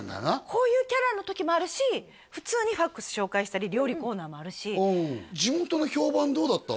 こういうキャラの時もあるし普通にＦＡＸ紹介したり料理コーナーもあるし地元の評判どうだった？